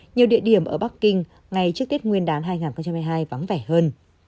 nhiều địa điểm ở bắc kinh ngày trước tết nguyên đán hai nghìn hai mươi hai vắng vẻ hơn